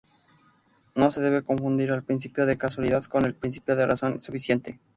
No se debe confundir al principio de causalidad con el Principio de razón suficiente.